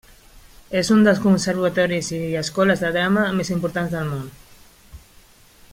És un dels conservatoris i escoles de drama més importants del món.